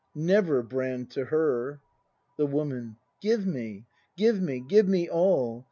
never! Brand, to her! The Woman. Give me, give me! Give me all!